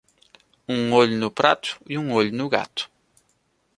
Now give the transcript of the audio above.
Um olho no prato e um olho no gato.